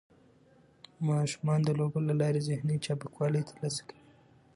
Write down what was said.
ماشومان د لوبو له لارې ذهني چابکوالی ترلاسه کوي.